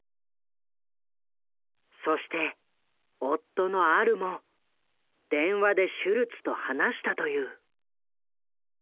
そして夫のアルも電話でシュルツと話したという。